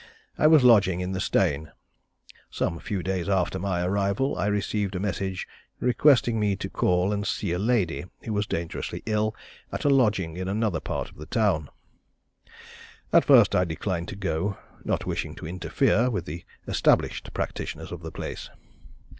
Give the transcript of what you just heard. I was lodging in the Steyne. Some few days after my arrival, I received a message requesting me to call and see a lady who was dangerously ill at a lodging in another part of the town. At first I declined to go, not wishing to interfere with the established practitioners of the place.